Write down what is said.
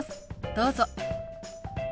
どうぞ。